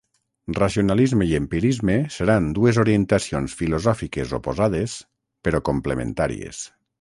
Racionalisme i empirisme seran dues orientacions filosòfiques oposades, però complementàries.